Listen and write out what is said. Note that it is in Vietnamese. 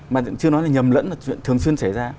mà chưa nói là nhầm lẫn là chuyện thường xuyên xảy ra